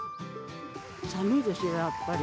寒いですよ、やっぱり。